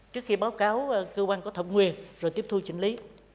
trước khi báo cáo cơ quan có thẩm quyền rồi tiếp thu chỉnh lý